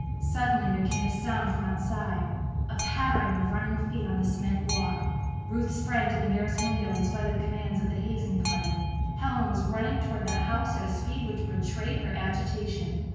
Suddenly there came a sound from outside a pattering of running feet on the cement walk. Ruth sprang to the nearest window in spite of the commands of the hazing party. Helen was running toward the house at a speed which betrayed her agitation.